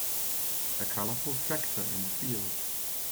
A colorful tractor in the field.